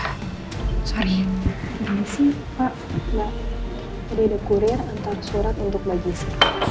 ada dikurir antara surat untuk bagi isi